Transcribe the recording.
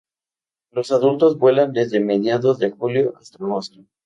Los adultos vuelan desde mediados de julio hasta agosto.